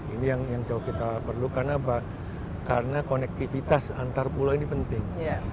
ini yang jauh kita perlukan apa karena konektivitas antar pulau ini penting